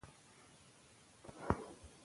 په کتاب کې د اسلامي عرفان نښې لیدل کیږي.